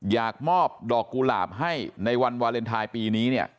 อยากมอบดอกกุหลาบให้ในวันวาเลนไทยปีนี้เนี่ย